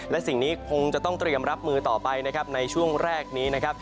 และสิ่งนี้คงจะต้องเตรียมรับมือต่อไปนะครับในช่วงแรกนี้นะครับ